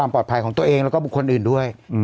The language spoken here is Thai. ปลอดภัยของตัวเองแล้วก็บุคคลอื่นด้วย